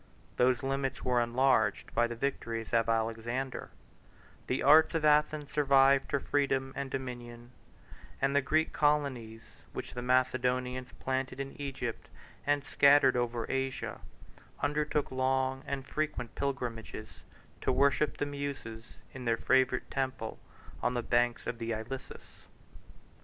Those limits were enlarged by the victories of Alexander; the arts of Athens survived her freedom and dominion; and the Greek colonies which the Macedonians planted in Egypt, and scattered over Asia, undertook long and frequent pilgrimages to worship the Muses in their favorite temple on the banks of the Ilissus.